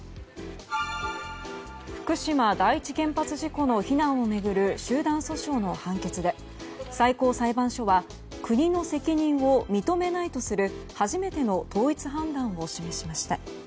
福島第一原発事故の避難を巡る集団訴訟の判決で最高裁判所は国の責任を認めないとする初めての統一判断を示しました。